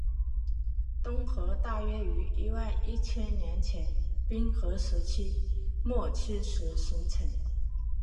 东河大约于一万一千年前冰河时期末期时形成。